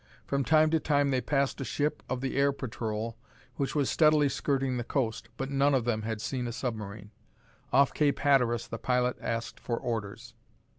From time to time they passed a ship of the air patrol which was steadily skirting the coast, but none of them had seen a submarine. Off Cape Hatteras the pilot asked for orders.